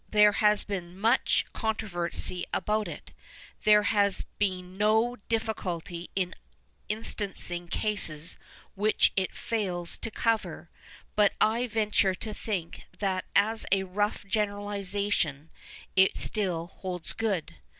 There has been much controversy about it, there has been no difficulty in instancing cases which it fails to cover, but I venture to think that as a rough generalization it still holds good.